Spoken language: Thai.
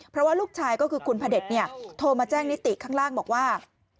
เพราะว่าลูกชายก็คือคุณพระเด็จโทรมาแจ้งนิติข้างล่างบอกว่า